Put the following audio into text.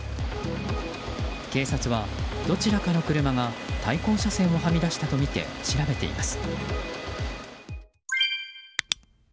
警察はどちらかの車が対向車線をはみ出したとみて調べています。